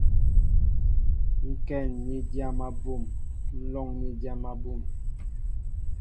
Ŋkɛn ni dyam abum, nlóŋ ni dyam abum.